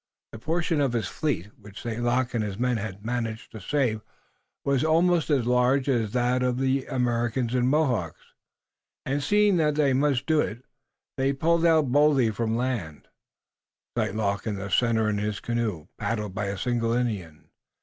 The portion of his fleet which St. Luc and his men had managed to save was almost as large as that of the Americans and Mohawks, and seeing that they must do it, they put out boldly from the land, St. Luc in the center in his canoe, paddled by a single Indian.